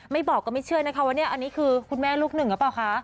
ไม่บอกก็ไม่เชื่อนะคะว่านี่คือคุณแม่ลูกหนึ่งหรือเปล่าคะ